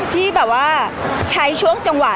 พี่ตอบได้แค่นี้จริงค่ะ